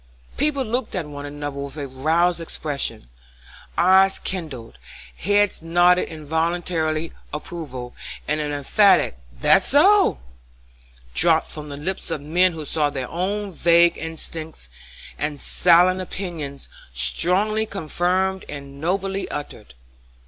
People looked at one another with a roused expression; eyes kindled, heads nodded involuntary approval, and an emphatic, "that's so!" dropped from the lips of men who saw their own vague instincts and silent opinions strongly confirmed and nobly uttered.